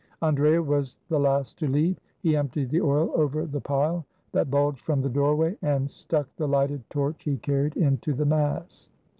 Andrea was the last to leave. He emptied the oil over the pile that bulged from the doorway; and stuck the lighted torch he carried into the mass.